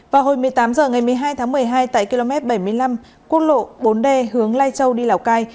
vào hồi một mươi tám h ngày một mươi hai tháng một mươi hai tại km bảy mươi năm quốc lộ bốn d hướng lai châu đi lào cai